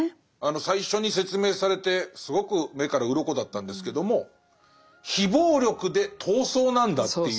最初に説明されてすごく目から鱗だったんですけども非暴力で闘争なんだっていう。